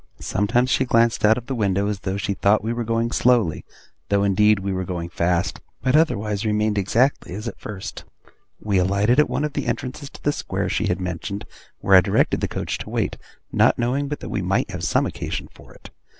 Sometimes she glanced out of the window, as though she thought we were going slowly, though indeed we were going fast; but otherwise remained exactly as at first. We alighted at one of the entrances to the Square she had mentioned, where I directed the coach to wait, not knowing but that we might have some occasion for it.